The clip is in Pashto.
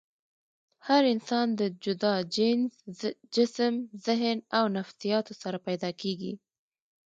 هر انسان د جدا جينز ، جسم ، ذهن او نفسياتو سره پېدا کيږي